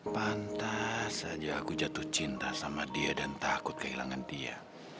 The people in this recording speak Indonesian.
pantas saja aku jatuh cinta sama dia dan takut kehilangan dia